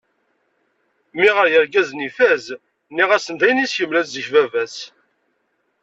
Mmi ɣer yirgazen ifaz, nniɣ-asen d ayen i as-yemla zik baba-s.